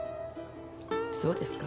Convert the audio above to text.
そうですか？